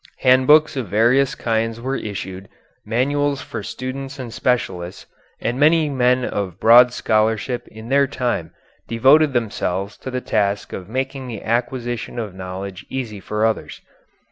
Handbooks of various kinds were issued, manuals for students and specialists, and many men of broad scholarship in their time devoted themselves to the task of making the acquisition of knowledge easy for others.